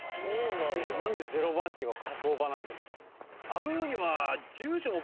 なんで０番地が火葬場なんですか。